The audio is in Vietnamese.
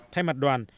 thay mặt đoàn